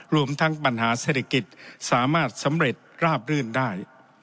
รวมทั้งปัญหาเศรษฐกิจสามารถสำเร็จราบรื่นได้